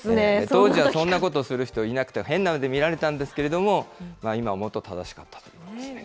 当時はそんなことする人いなくて、変な目で見られたんですけれども、今思うと正しかったということですね。